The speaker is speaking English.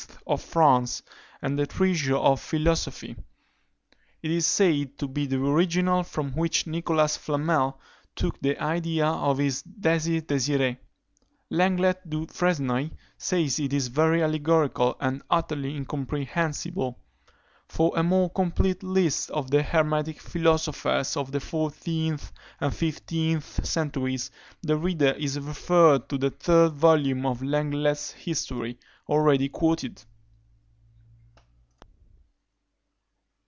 of France, and the Treasure of Philosophy_. It is said to be the original from which Nicholas Flamel took the idea of his Désir désiré. Lenglet du Fresnoy says it is very allegorical, and utterly incomprehensible. For a more complete list of the hermetic philosophers of the fourteenth and fifteenth centuries, the reader is referred to the third volume of Lenglet's History, already quoted.